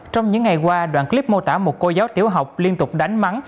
trong những ngày qua đoạn clip mô tả một cô giáo tiểu học liên tục đánh mắn